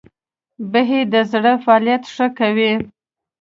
بیهي د زړه فعالیت ښه کوي.